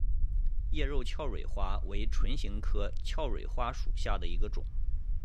肉叶鞘蕊花为唇形科鞘蕊花属下的一个种。